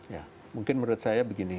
ya mungkin menurut saya begini